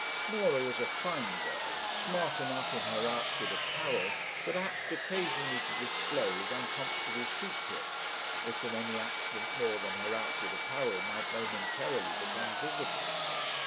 Norah was a fine girl, smart enough in her outward apparel, but apt occasionally to disclose uncomfortable secrets, if from any accident more than her outward apparel might momentarily become visible.